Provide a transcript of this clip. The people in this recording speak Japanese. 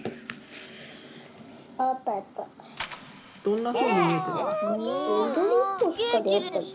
どんなふうに見えてますか？